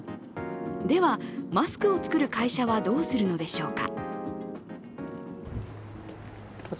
では、マスクを作る会社はどうするのでしょうか。